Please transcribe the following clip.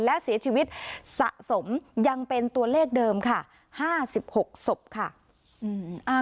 และเสียชีวิตสะสมยังเป็นตัวเลขเดิมค่ะห้าสิบหกศพค่ะ